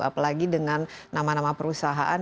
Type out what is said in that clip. apalagi dengan nama nama perusahaan